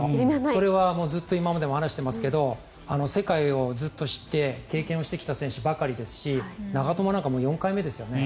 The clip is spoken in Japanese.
それはずっと今までも話してますけど世界をずっと知って経験をしてきた選手ばかりですし長友なんか４回目ですよね。